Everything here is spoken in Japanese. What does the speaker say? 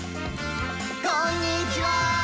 「こんにちは！」。